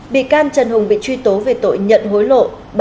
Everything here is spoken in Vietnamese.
bị can trần hùng bị truy tố về tội nhận hối lộ